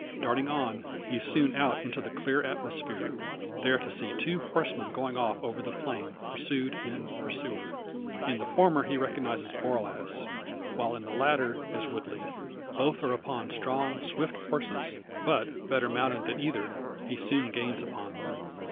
Darting on, he is soon out into the clear atmosphere; there to see two horsemen going off over the plain, pursued and pursuer. In the former he recognises Borlasse, while the latter is Woodley. Both are upon strong, swift, horses; but better mounted than either, he soon gains upon them.